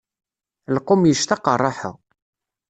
Lqum yectaq rraḥa.